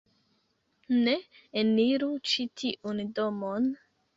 Ne eniru ĉi tiun domon...